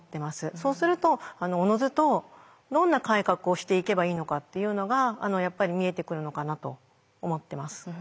そうするとおのずとどんな改革をしていけばいいのかっていうのがやっぱり見えてくるのかなと思ってます。